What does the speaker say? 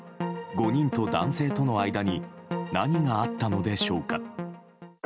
５人と男性との間に何があったのでしょうか。